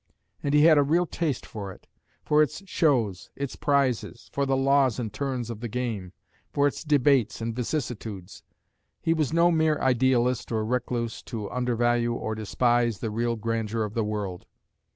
And he had a real taste for it for its shows, its prizes, for the laws and turns of the game, for its debates and vicissitudes. He was no mere idealist or recluse to undervalue or despise the real grandeur of the world.